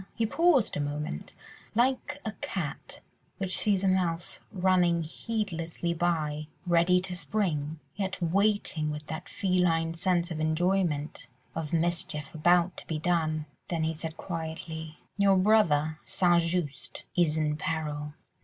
He paused a moment, like a cat which sees a mouse running heedlessly by, ready to spring, yet waiting with that feline sense of enjoyment of mischief about to be done. Then he said quietly— "Your brother, St. Just, is in peril."